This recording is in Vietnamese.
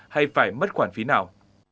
hay phải mất khoản phí nào